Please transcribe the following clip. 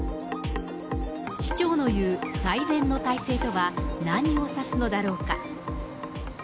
市長の言う、最善の体制とは、何を指すのだろうか。